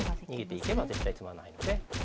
逃げていけば絶対詰まないので。